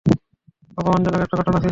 অপমানজনক একটা ঘটনা ছিল।